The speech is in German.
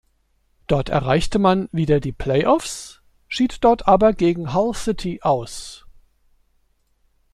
Dort erreichte man wieder die Play-offs, schied dort aber gegen Hull City aus.